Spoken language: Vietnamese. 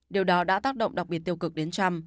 điều đó đã tác động đặc biệt tiêu cực đến trump